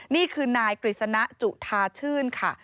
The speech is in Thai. นี่คือนายกฤษณะจุธาชื่นค่ะ